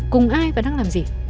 cùng ai và đang làm gì